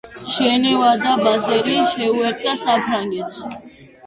ჟენევა და ბაზელი შეუერთდა საფრანგეთს.